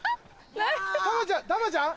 珠ちゃん？